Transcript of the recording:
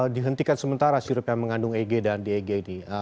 di titikkan sementara sirop yang mengandung eg dan deg ini